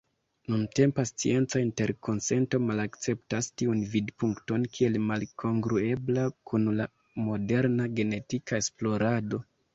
Nuntempa scienca interkonsento malakceptas tiun vidpunkton kiel malkongruebla kun la moderna genetika esplorado.